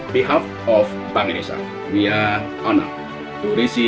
bagi bank indonesia kami berhormat untuk menerima